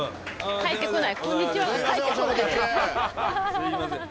すいません。